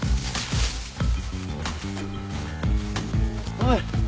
おい。